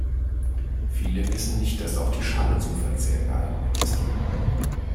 Viele wissen nicht, dass auch die Schale zum Verzehr geeignet ist.